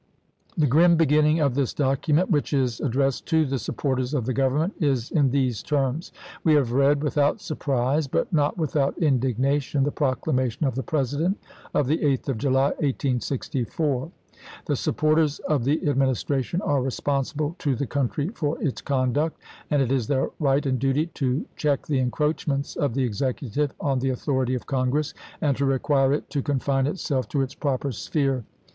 The grim beginning of this document, which is ad dressed " To the Supporters of the Government," is in these terms :" We have read without surprise, but not without indignation, the proclamation of the President of the 8th of July, 1864. The supporters of the Administration are responsible to the country for its conduct ; and it is their right and duty to check the encroachments of the Executive on the authority of Congress, and to require it to confine itself to its proper sphere."